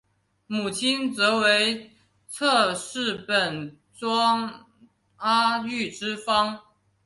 母亲为侧室本庄阿玉之方。